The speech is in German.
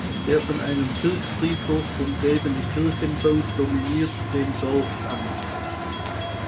Der von einem Kirchfriedhof umgebene Kirchenbau dominiert den Dorfanger.